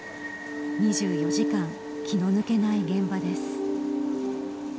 ２４時間気の抜けない現場です。